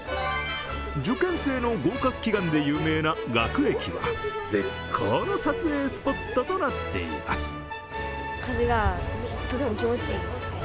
受験生の合格祈願で有名な学駅は絶好の撮影スポットとなっています。